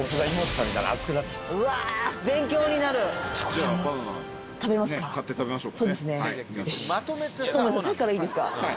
さっきからいいですか？